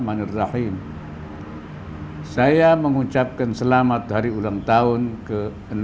saya pak mas satrio ketua mpr republik indonesia mengucapkan selamat ulang tahun yang ke enam puluh sembilan kepada bank indonesia